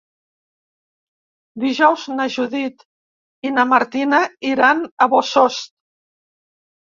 Dijous na Judit i na Martina iran a Bossòst.